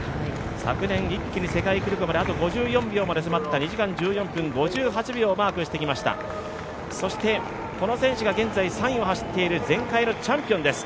昨年、一気に世界記録まで５４秒まで迫った２時間１４分５８秒をマークしてきました、そして、この選手が３位を走っている前回のチャンピオンです。